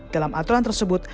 dalam aturan tersebut